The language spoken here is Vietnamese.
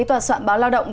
tòa soạn báo lao động